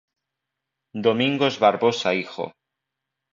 Domingos Barbosa Hijo.